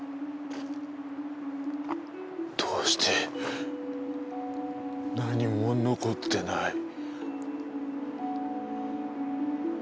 どうして、何も残ってない。